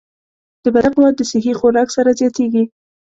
د بدن قوت د صحي خوراک سره زیاتېږي.